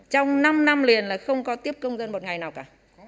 trong năm năm liền là không có tiếp công dân một ngày nào cả